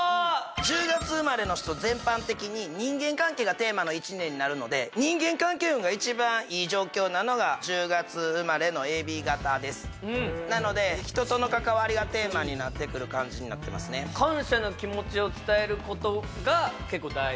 １０月生まれの人全般的に人間関係がテーマの１年になるので人間関係運が一番いい状況なのが１０月生まれのＡＢ型ですなので人との関わりがテーマになってくる感じになってますね感謝の気持ちを伝えることが結構大事？